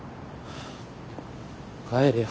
帰れよ。